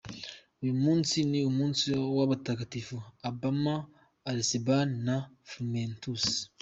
Uyu munsi ni umunsi w’abatagatifu: Abban, Elesbaan na Frumentus.